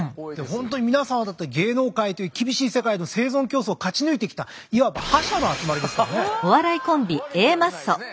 ほんとに皆さんはだって芸能界という厳しい世界の生存競争を勝ち抜いてきたいわば悪い気はしないですね。